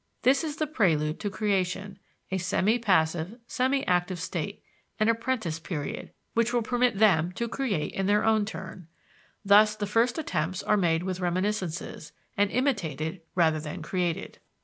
This is the prelude to creation, a semi passive, semi active state, an apprentice period, which will permit them to create in their own turn. Thus the first attempts are made with reminiscences, and imitated rather than created.